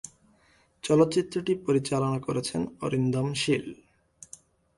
চলচ্চিত্রটি পরিচালনা করেছেন অরিন্দম শীল।